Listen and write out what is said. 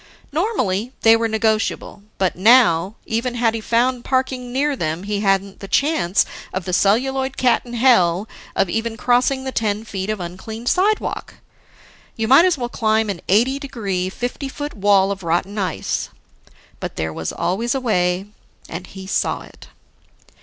Normally, they were negotiable; but now, even had he found parking near them, he hadn't the chance of the celluloid cat in hell of even crossing the ten feet of uncleaned sidewalk. You might as well climb an eighty degree, fifty foot wall of rotten ice. But there was always a way, and he saw it.